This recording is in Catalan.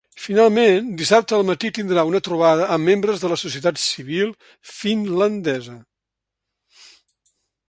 Finalment, dissabte al matí tindrà una trobada amb membres de la societat civil finlandesa.